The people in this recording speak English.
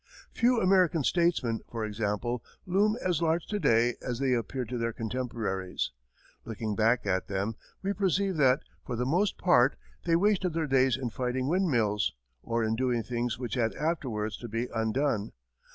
Few American statesmen, for example, loom as large to day as they appeared to their contemporaries. Looking back at them, we perceive that, for the most part, they wasted their days in fighting wind mills, or in doing things which had afterwards to be undone.